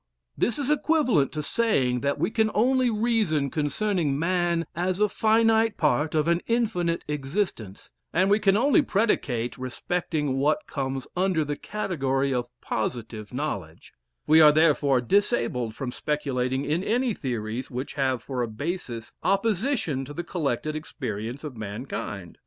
This is equivalent to saying that we can only reason concerning man as a finite part of an infinite existence, and we can only predicate respecting what comes under the _category of positive knowledge _; we are therefore disabled from speculating in any theories which have for a basis opposition to the collected experience of mankind.